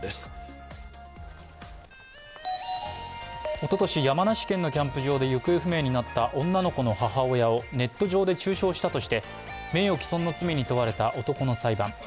おととし、山梨県のキャンプ場で行方不明になった女の子の母親をネット上で中傷したとして名誉毀損の罪に問われた男の裁判。